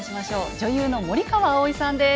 女優の森川葵さんです。